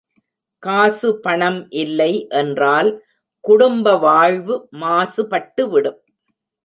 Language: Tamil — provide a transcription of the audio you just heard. காசு பணம் இல்லை என்றால், குடும்ப வாழ்வு மாசு பட்டுவிடும்.